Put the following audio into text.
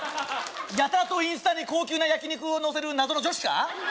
やたらとインスタに高級な焼き肉を載せる謎の女子か？